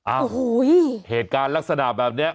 โอ้โหเหตุการณ์ลักษณะแบบนี้